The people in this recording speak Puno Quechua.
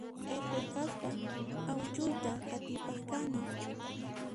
Irqi kaspaqa awichuyta qatipaq kani